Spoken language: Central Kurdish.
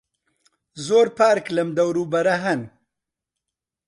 زۆر پارک لەم دەوروبەرە هەن.